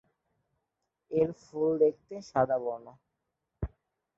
এর ফুল দেখতে সাদা বর্ণ।